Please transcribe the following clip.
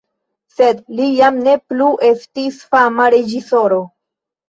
Sed li jam ne plu estis fama reĝisoro.